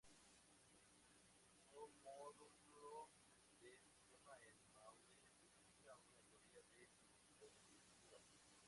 Un módulo de sistema en Maude especifica una teoría de reescritura.